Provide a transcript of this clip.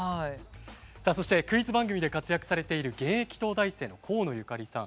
さあそしてクイズ番組で活躍されている現役東大生の河野ゆかりさん。